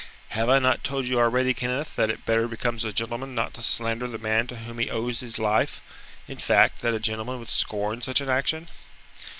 "Have I not told you already, Kenneth, that it better becomes a gentleman not to slander the man to whom he owes his life? In fact, that a gentleman would scorn such an action?"